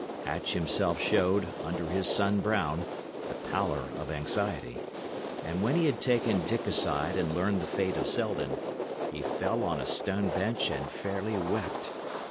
Hatch himself showed, under his sun brown, the pallour of anxiety; and when he had taken Dick aside and learned the fate of Selden, he fell on a stone bench and fairly wept.